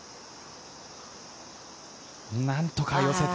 なんとか寄せて。